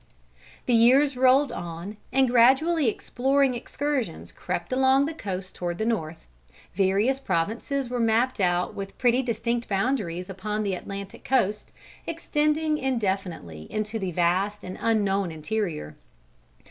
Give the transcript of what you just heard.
The years rolled on and gradually exploring excursions crept along the coast towards the north, various provinces were mapped out with pretty distinct boundaries upon the Atlantic coast, extending indefinitely into the vast and unknown interior.